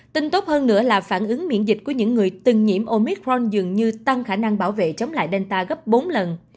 tin tốt hơn nữa là phản ứng miễn dịch của những người từng nhiễm omitron dường như tăng khả năng bảo vệ chống lại delta gấp bốn lần